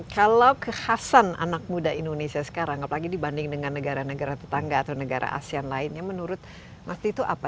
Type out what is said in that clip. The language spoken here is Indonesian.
kalau kekhasan anak muda indonesia sekarang apalagi dibanding dengan negara negara tetangga atau negara asean lainnya menurut mas tito apa